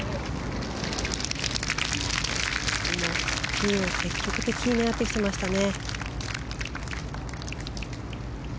ピンを積極的に狙ってきていましたね。